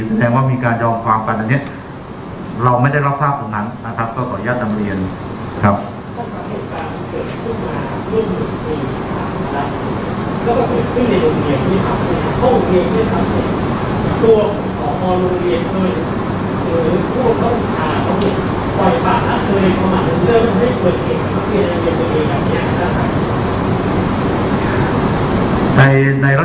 แสดงว่ามีการยอมความกันอันนี้เราไม่ได้รับทราบตรงนั้นนะครับก็ขออนุญาตนำเรียนครับ